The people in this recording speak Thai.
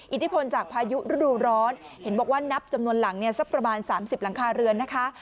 อิทธิพลจากพายุฤดูร้อนเห็นบอกว่านับจำนวนหลังเนี่ยสักประมาณ๓๐หลังคาเรือนนะคะ